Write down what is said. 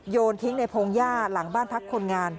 โยนทิ้งในพงหญ้าหลังบ้านพักคนงาน